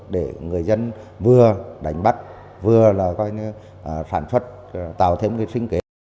để người dân vừa đánh bắt vừa sản xuất tạo thêm sinh kế